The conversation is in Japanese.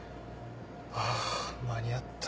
ああ間に合った。